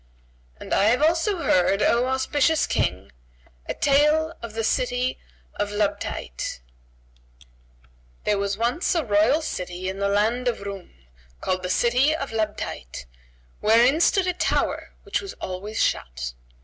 And I have also heard, O auspicious King, a tale of THE CITY OF LABTAYT.[FN#139] There was once a royal city in the land of Roum, called the City of Labtayt wherein stood a tower which was always shut.